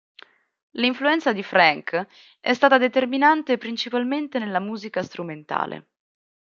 L'influenza di Franck è stata determinante principalmente nella musica strumentale.